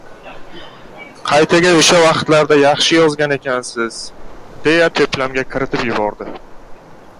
“Qaytaga o‘sha vaqtlarda yaxshi yozgan ekansiz”, deya to‘plamga kiritib yubordi.